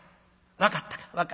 「分かったか？」。